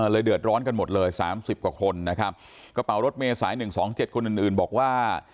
เลยเดือดร้อนกันหมดเลย๓๐กว่าคนนะครับกระเป๋ารถเมศาย๑๒๗คนอื่นบอกว่า